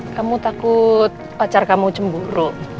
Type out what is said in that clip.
kamu takut pacar kamu cemburu